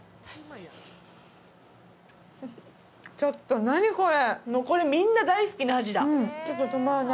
ちょっと何これ？